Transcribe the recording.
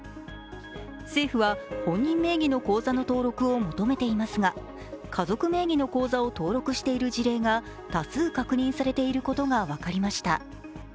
政府は本人名義の口座の登録を求めていますが家族名義の口座を登録している事例が多数確認されていることが分かりました。